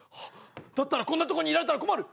だったらこんなとこにいられたら困る！